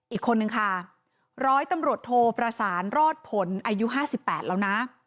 อีกคนนึงค่ะร้อยตำรวจโทประสานรอดผลอายุ๕๘แล้วนะ